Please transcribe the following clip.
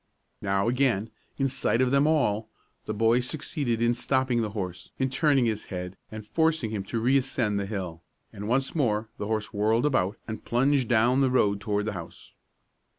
Now, again, in sight of them all, the boy succeeded in stopping the horse, in turning his head, and forcing him to reascend the hill; and once more the horse whirled about and plunged down the road toward the house.